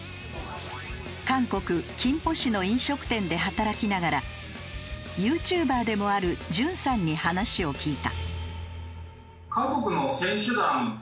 韓国金浦市の飲食店で働きながらＹｏｕＴｕｂｅｒでもあるＪＵＮさんに話を聞いた。